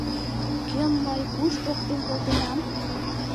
Кӧм мый, куш поктен колтенам?